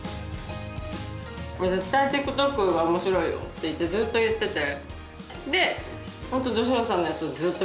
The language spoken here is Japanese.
「これ絶対ＴｉｋＴｏｋが面白いよ」って言ってずっと言ってて。